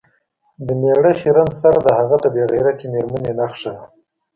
د میړه خیرن سر د هغه د بې غیرتې میرمنې نښه ده.